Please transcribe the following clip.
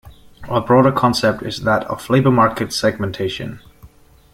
A broader concept is that of labor market segmentation.